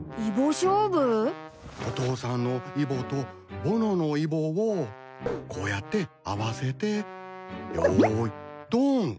お父さんのイボとぼののイボをこうやって合わせてよいどん。